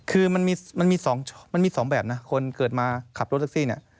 คือมันมี๒แบบนะคนเกิดมาขับรถแท็กซี่เนี่ย